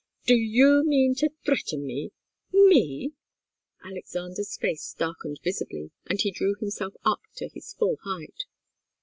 "Do you mean to threaten me? Me!" Alexander's face darkened visibly, and he drew himself up to his full height.